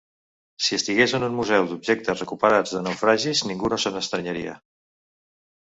Si estigués en un museu d'objectes recuperats de naufragis ningú no se n'estranyaria.